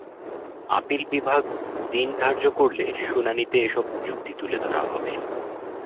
Appeal বিভাগ দিন ধার্য করলে শুনানিতে এসব যুক্তি তুলে ধরা হবে।